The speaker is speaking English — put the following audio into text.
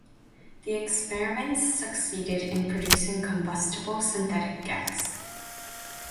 The experiments succeeded in producing combustible synthetic gas.